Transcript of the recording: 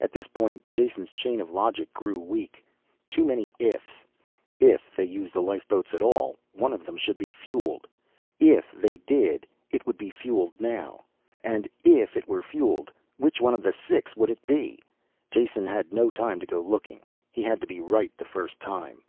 At this point Jason's chain of logic grew weak. Too many "ifs." If they used the lifeboats at all, one of them should be fueled. If they did, it would be fueled now. And if it were fueled which one of the six would it be? Jason had no time to go looking. He had to be right the first time.